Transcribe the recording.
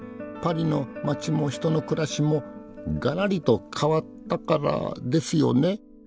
パリの街も人の暮らしもガラリと変わったからですよね？